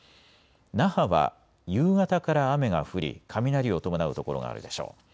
那覇は夕方から雨が降り雷を伴う所があるでしょう。